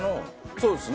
そうですね。